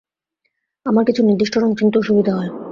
আমার কিছু নির্দিষ্ট রঙ চিনতে অসুবিধা হয়।